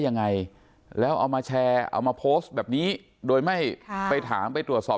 ยังไงแล้วเอามาแชร์เอามาโพสต์แบบนี้โดยไม่ไปถามไปตรวจสอบ